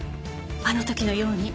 あの時のように。